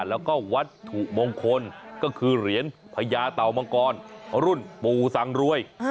แล้วก็วัตถุมงคลก็คือเหรียญพญาเตามังกรรุ่นปู่สังรวย